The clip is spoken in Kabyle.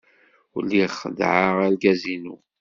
Lliɣ xeddɛeɣ argaz-inu.